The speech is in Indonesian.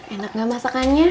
enak gak masakannya